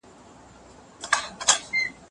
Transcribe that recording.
خو علمي ژبه خپل معيار لري.